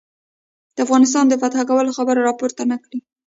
د افغانستان د فتح کولو خبره را پورته نه کړي.